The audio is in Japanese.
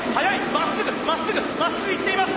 まっすぐまっすぐまっすぐいっています！